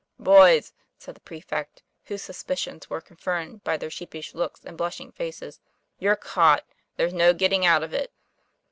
"Boys, "said the prefect, whose suspicions were confirmed by their sheepish looks and blushing faces, "you're caught there's no getting out of it."